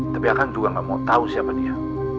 tapi a kang juga nggak mau tau siapa dia